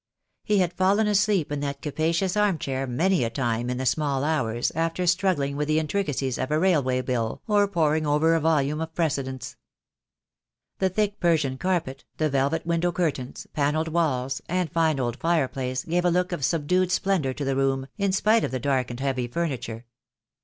He had fallen asleep in that capacious arm chair many a time in the small hours, after struggling with the intricacies of a railway bill or poring over a volume of precedents. The thick Persian carpet, the velvet window curtains, panelled walls, and fine old fireplace gave a look of sub 42 THE DAY WILL COME. dued splendour to the room, in spite of the dark and heavy furniture.